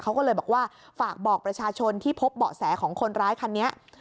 เขาก็เลยบอกว่าฝากบอกประชาชนที่พบเบาะแสของคนร้ายคันนี้